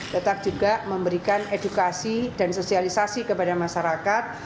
tetap juga memberikan edukasi dan sosialisasi kepada masyarakat